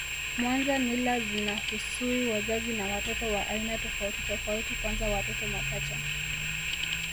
Mwanza mila zinahusui wazazi na watoto wa aina tofauti tofauti kwanza watoto mapacha